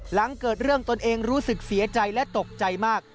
หลังเกิดเรื่องตนเองรู้สึกเสียใจและตกใจมาก